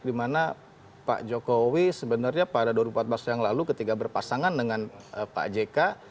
dimana pak jokowi sebenarnya pada dua ribu empat belas yang lalu ketika berpasangan dengan pak jk